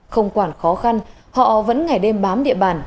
không quản khó khăn họ vẫn ngày đêm bám địa bàn